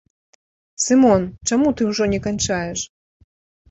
Сымон, чаму ты ўжо не канчаеш?